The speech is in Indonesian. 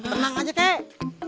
tenang aja kek